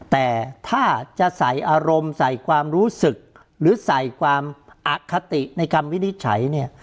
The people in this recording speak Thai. แต่ถ้าจะใส่อารมณ์ใส่ความรู้สึกหรือใส่ความอคติในคำวินิจฉัยเนี่ย